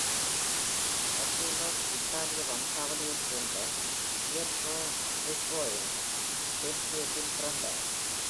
Agrelot இத்தாலிய வம்சாவளியைச் சேர்ந்த Puerto Ricoன் Santurceல் பிறந்தார்.